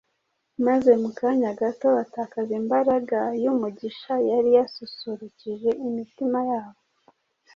maze mu kanya gato batakaza imbaraga y’umugisha yari yasusurukuje imitima yabo